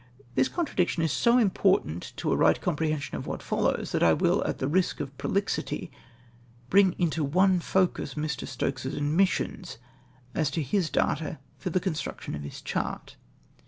This contradiction is so important to a right com prehension of what follows, that I will, at the risk of prolixity, bring into one focus ]\ii\ Stokes's admissions as to his data for the construction of his chart.